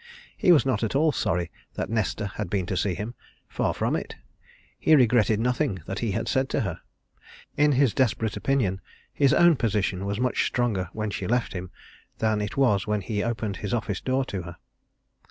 He was not at all sorry that Nesta had been to see him far from it. He regretted nothing that he had said to her. In his desperate opinion, his own position was much stronger when she left him than it was when he opened his office door to her.